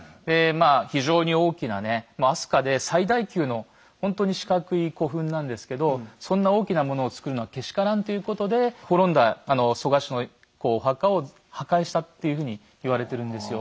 非常に大きなね飛鳥で最大級のほんとに四角い古墳なんですけどそんな大きなものをつくるのはけしからんということでっていうふうに言われてるんですよ。